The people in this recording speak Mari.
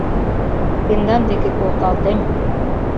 Тендан деке колталтем!